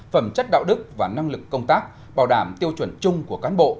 phẩm chất đạo đức và năng lực công tác bảo đảm tiêu chuẩn chung của cán bộ